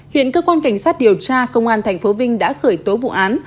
hiện cơ quan cảnh sát điều tra công an thành phố vinh đã khởi tố vụ án